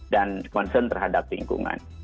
dan concern terhadap lingkungan